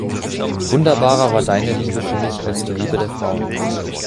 Wunderbarer war deine Liebe für mich als die Liebe der Frauen.